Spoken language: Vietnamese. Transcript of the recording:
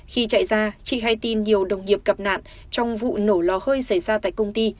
khi chạy ra chị hay tin nhiều đồng nghiệp gặp nạn trong vụ nổ lò hơi xảy ra tại công ty